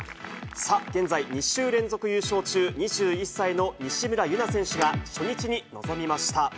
さあ、現在、２週連続優勝中、２１歳の西村優菜選手が、初日に臨みました。